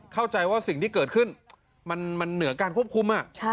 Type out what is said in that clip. เข้าใจว่าสิ่งที่เกิดขึ้นมันเหนือการควบคุม